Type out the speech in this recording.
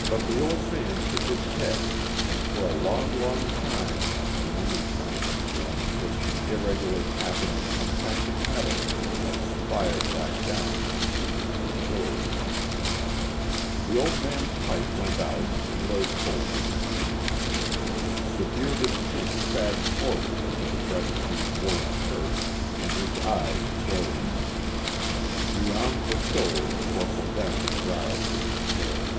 But the old man shook his head and for a long, long time the only sound in the room was the irregular tapping of contracting metal as the fire died down unheeded in the stove. The old man's pipe went out and lay cold in his hand. The bearded chin sagged forward onto the breast of his woolen shirt and his eyes closed. Beyond the stove Corporal Downey drowsed in his chair.